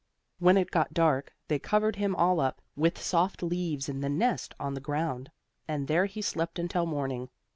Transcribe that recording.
When it got dark, they covered him all up, with soft leaves in the nest on the ground, and there he slept until morning.